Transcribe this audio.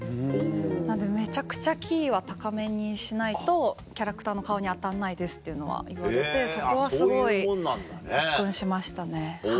なんでめちゃくちゃキーは高めにしないとキャラクターの顔に当たんないですっていうのは言われてそこはすごい特訓しましたね。